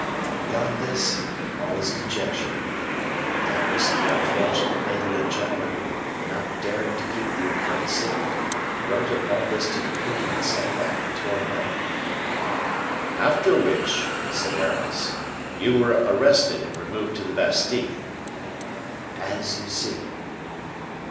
"Beyond this, all is conjecture. Doubtless the unfortunate lady and gentleman, not daring to keep the occurrence secret, wrote of all this to the queen and sent back the torn letter." "After which," said Aramis, "you were arrested and removed to the Bastile." "As you see."